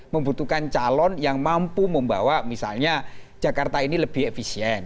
membutuhkan calon yang mampu membawa misalnya jakarta ini lebih efisien